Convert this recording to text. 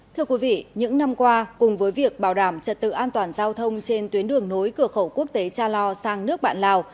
thưa quý vị những năm qua cùng với việc bảo đảm trật tự an toàn giao thông trên tuyến đường nối cửa khẩu quốc tế cha lo sang nước bạn lào